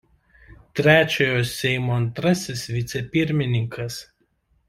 Trečiojo Seimo antrasis vicepirmininkas.